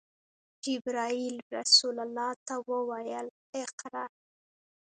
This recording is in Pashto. جبرئیل رسول الله ته وویل: “اقرأ!”